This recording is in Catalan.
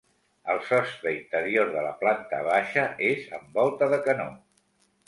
El sostre interior de la planta baixa és amb volta de canó.